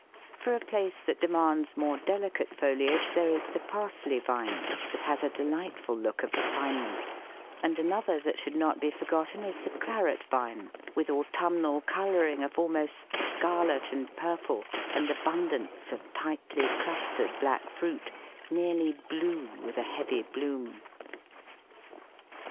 For a place that demands more delicate foliage there is the Parsley Vine, that has a delightful look of refinement, and another that should not be forgotten is the Claret Vine, with autumnal colouring of almost scarlet and purple, and abundance of tightly clustered black fruit, nearly blue with a heavy bloom.